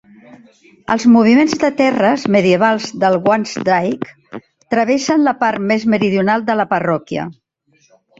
Els moviments de terres medievals del Wansdyke travessen la part més meridional de la parròquia.